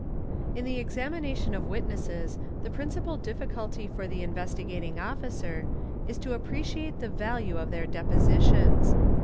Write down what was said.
by _ In the examination of witnesses the principal difficulty for the Investi SALARY LAE RRB IE MINE, On jating Officer is to appreciate the value of their depositions.